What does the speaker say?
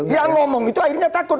yang ngomong itu akhirnya takut